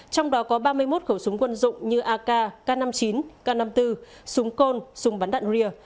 trong đó có ba mươi một khẩu súng quân dụng như ak k năm mươi chín k năm mươi bốn súng côn súng bắn đạn rìa